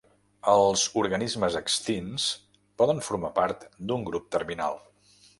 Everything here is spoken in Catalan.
Els organismes extints poden formar part d'un grup terminal.